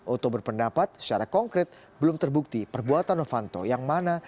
oto berpendapat secara konkret belum terbukti perbuatan novanto yang mana